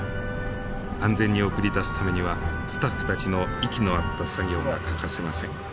安全に送り出すためにはスタッフたちの息の合った作業が欠かせません。